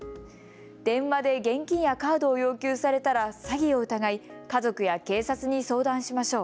電話で現金やカードを要求されたら詐欺を疑い家族や警察に相談しましょう。